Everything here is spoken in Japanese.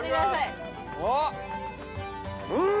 うん！